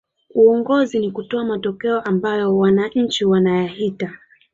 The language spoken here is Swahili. uongozi ni kutoa matokeo ambayo wananchi wanayahita